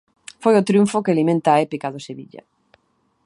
Foi un triunfo que alimenta a épica do Sevilla.